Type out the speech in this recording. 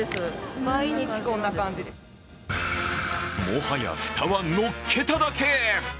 もはや蓋はのっけただけ。